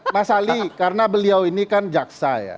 mas ali karena beliau ini kan jaksa ya